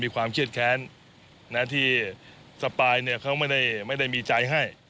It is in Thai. มีความเครียดแค้นนะที่สปายเนี่ยเขาไม่ได้ไม่ได้มีใจให้